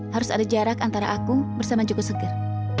harus ada jarak antara aku bersama joko seger